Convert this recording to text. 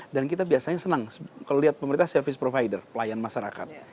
dan kita biasanya senang kalau lihat pemerintah service provider pelayan masyarakat